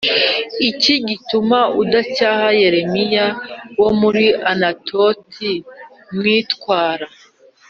iki gituma udacyaha Yeremiya wo muri Anatotim witwara